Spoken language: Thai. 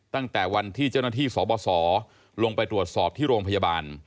ตั้งแต่วันที่เจ้าหน้าที่สบสลงไปตรวจสอบที่โรงพยาบาล